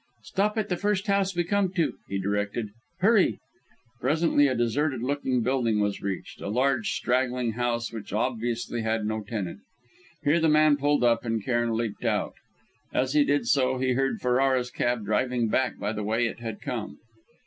"Stop at the first house we come to!" he directed. "Hurry!" Presently a deserted looking building was reached, a large straggling house which obviously had no tenant. Here the man pulled up and Cairn leapt out. As he did so, he heard Ferrara's cab driving back by the way it had come.